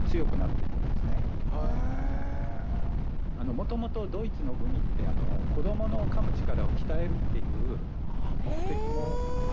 もともとドイツのグミって子どものかむ力を鍛えるっていう目的もあったって言われてますので。